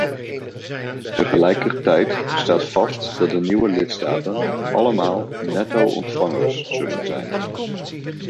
Tegelijkertijd staat vast dat de nieuwe lidstaten allemaal netto-ontvangers zullen zijn.